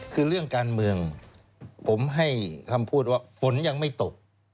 คือเรื่องการเมืองผมให้คำพูดว่าฝนยังไม่ตก